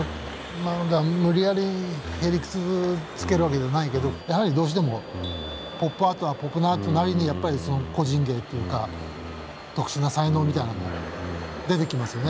無理やり屁理屈づけるわけじゃないけどやはりどうしてもポップアートはポップアートなりに個人芸というか特殊な才能みたいなのが出てきますよね。